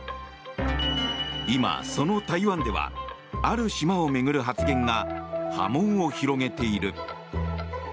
今、その台湾ではある島を巡る発言が波紋を広げている。